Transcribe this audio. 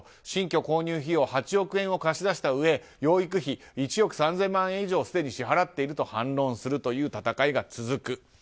新居購入費用８億円を貸し出したうえ養育費１億３０００万円以上すでに支払っているという戦いが続く。